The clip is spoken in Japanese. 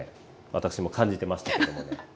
私も感じてましたけどもね